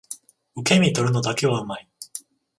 受け身取るのだけは上手い